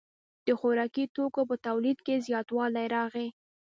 د خوراکي توکو په تولید کې زیاتوالی راغی.